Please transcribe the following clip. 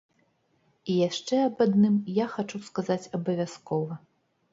І яшчэ аб адным я хачу сказаць абавязкова.